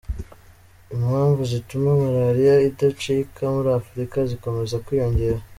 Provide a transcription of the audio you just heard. Impamvu zituma maraliya idacika muri Afurika zikomeza kwiyongera